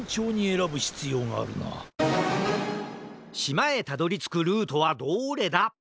しまへたどりつくルートはどれだ？